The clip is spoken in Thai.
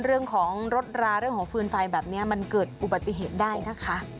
เรื่องของรถราเรื่องของฟืนไฟแบบนี้มันเกิดอุบัติเหตุได้นะคะ